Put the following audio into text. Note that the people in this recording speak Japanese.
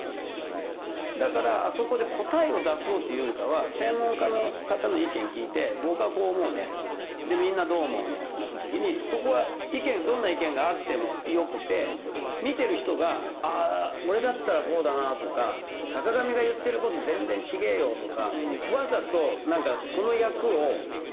だからあそこで答えを出そうというよりかは専門家の方の意見聞いて「僕はこう思うね」とか「みんなどう思うの？」ってなった時にそこは意見どんな意見があってもよくて見てる人が「ああ俺だったらこうだな」とか「坂上が言ってる事全然違えよ」とか。